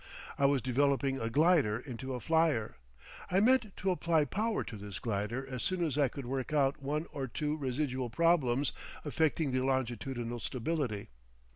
I was developing a glider into a flyer. I meant to apply power to this glider as soon as I could work out one or two residual problems affecting the longitudinal stability.